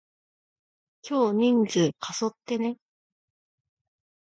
今日人数過疎ってね？